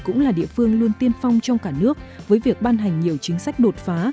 cũng là địa phương luôn tiên phong trong cả nước với việc ban hành nhiều chính sách đột phá